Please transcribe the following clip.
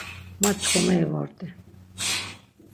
Ma şǩomeri vort̆i.